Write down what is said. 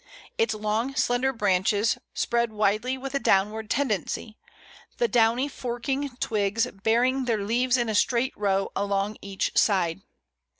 Its long slender branches spread widely with a downward tendency, the downy forking twigs bearing their leaves in a straight row along each side.